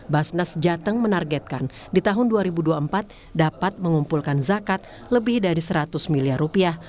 basnas jateng menargetkan di tahun dua ribu dua puluh empat dapat mengumpulkan zakat lebih dari seratus miliar rupiah